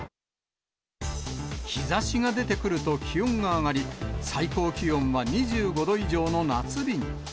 日ざしが出てくると気温が上がり、最高気温は２５度以上の夏日に。